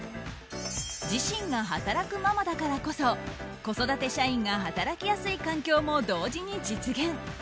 自身が働くママだからこそ子育て社員が働きやすい環境も同時に実現。